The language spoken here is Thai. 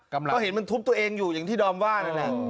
ก็เห็นมันทุบตัวเองอยู่อย่างที่ดอมว่านั่นแหละ